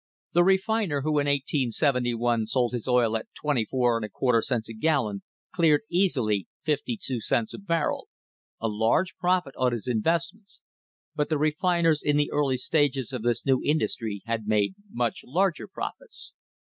The refiner who in 1871 sold his oil at 24J4 cents a gallon cleared easily fifty two cents a barrel — a large profit on his investment, — but the refiners in the early stages of this new industry had made much larger profits.